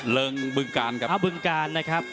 เลิงบึงกาลครับ